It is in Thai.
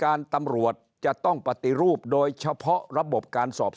ตำรวจจะต้องปฏิรูปโดยเฉพาะระบบการสอบสวน